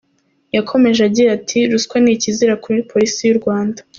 Yakomeje agira ati "Ruswa ni ikizira muri Polisi y’u Rwanda.